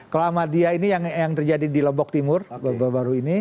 kalau ahmadiyah ini yang terjadi di lombok timur baru baru ini